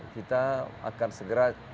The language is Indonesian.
kita akan segera